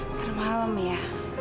ntar malam ya